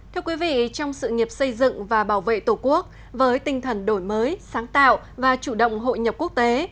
thưa quý vị trong sự nghiệp xây dựng và bảo vệ tổ quốc với tinh thần đổi mới sáng tạo và chủ động hội nhập quốc tế